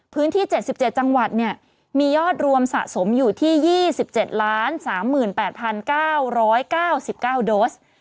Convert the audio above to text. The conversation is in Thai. พื้นที่๗๗จังหวัดมียอดรวมสะสมอยู่ที่๒๗๓๘๙๙๙โดส